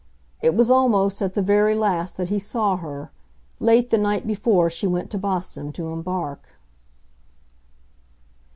It was almost at the very last that he saw her—late the night before she went to Boston to embark.